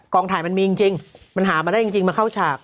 ถ่ายมันมีจริงมันหามาได้จริงมาเข้าฉาก